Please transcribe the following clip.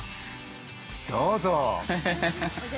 どうぞ。